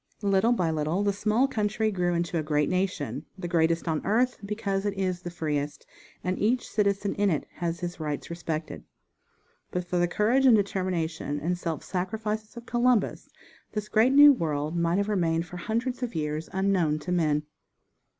Little by little the small country grew into a great nation, the greatest on earth, because it is the freest, and each citizen in it has his rights respected. But for the courage and determination and self sacrifice of Columbus this great new world might have remained for hundreds of years unknown to men.